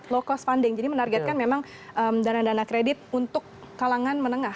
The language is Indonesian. low cost funding jadi menargetkan memang dana dana kredit untuk kalangan menengah